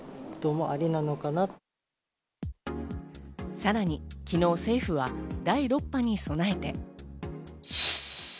さらに昨日、政府は第６波に備えて。